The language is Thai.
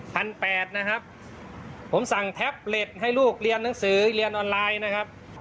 แปดนะครับผมสั่งแท็บเล็ตให้ลูกเรียนหนังสือเรียนออนไลน์นะครับ